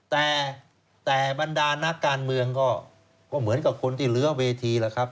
แต่บรรดานักการเมืองก็เหมือนกับคนที่เหลือเวทีแหละครับ